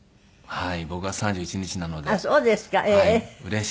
はい。